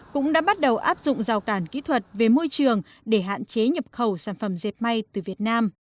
cũng đã bắt đầu áp dụng rào cản kỹ thuật về môi trường để hạn chế nhập khẩu sản phẩm dẹp may từ việt nam